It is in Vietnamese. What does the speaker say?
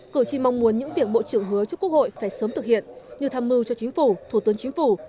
cử tri mong muốn những việc bộ trưởng hứa trước quốc hội phải sớm thực hiện như tham mưu cho chính phủ thủ tướng chính phủ